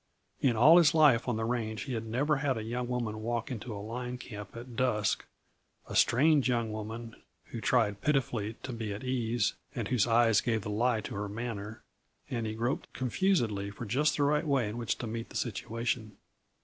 In all his life on the range he had never had a young woman walk into a line camp at dusk a strange young woman who tried pitifully to be at ease and whose eyes gave the lie to her manner and he groped confusedly for just the right way in which to meet the situation.